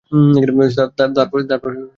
তারপর একে একে বিভিন্ন পত্রপত্রিকায়।